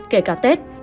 kể cả tết